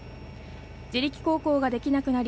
自力航行ができなくなり